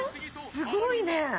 すごいねぇ。